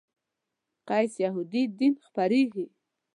قیس یهودي دین پرېږدي.